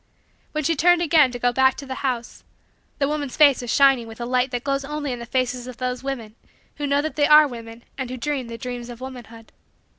When she turned again to go back to the house, the woman's face was shining with the light that glows only in the faces of those women who know that they are women and who dream the dreams of womanhood.